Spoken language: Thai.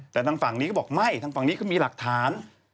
แต่ทางฝั่งนี้ก็บอกไม่ทางฝั่งนี้ก็มีหลักฐาน